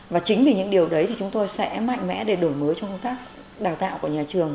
và chính vì những điều đấy thì chúng tôi sẽ mạnh mẽ để đổi mới trong công tác đào tạo của nhà trường